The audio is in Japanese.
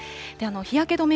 日焼け止め